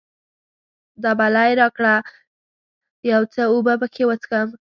دبلی راکړه، یو څه اوبه پکښې وڅښم.